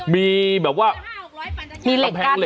มีเหล็กกั้นหรอ